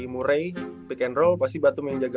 murray pick and roll pasti batum yang jaga